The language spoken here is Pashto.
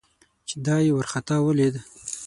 چې دای یې ورخطا ولید.